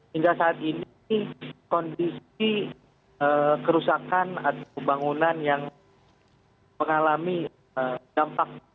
hingga saat ini kondisi kerusakan atau bangunan yang mengalami dampak